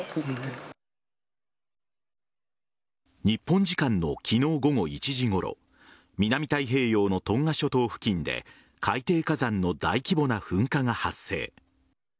日本時間の昨日午後１時ごろ南太平洋のトンガ諸島付近で海底火山の大規模な噴火が発生。